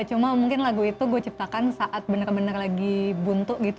cuma mungkin lagu itu gue ciptakan saat bener bener lagi buntu gitu